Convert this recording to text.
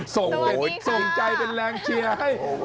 ส่งใจเป็นแรงเชียร์ให้